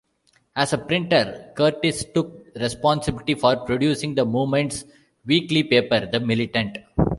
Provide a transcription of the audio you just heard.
As a printer, Curtiss took responsibility for producing the movement's weekly paper "The Militant".